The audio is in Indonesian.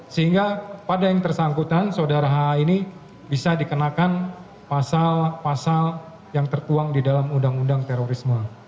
sehingga pada yang tersangkutan saudara h ini bisa dikenakan pasal pasal yang tertuang di dalam undang undang terorisme